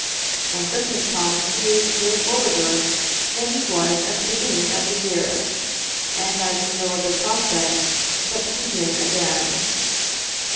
When Christmas comes he is no forwarder than he was at the beginning of the year, and has no other prospect but to begin again.